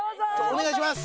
お願いします！